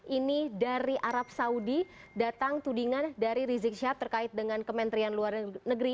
ini dari arab saudi datang tudingan dari rizik syihab terkait dengan kementerian luar negeri